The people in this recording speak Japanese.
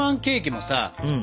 もさ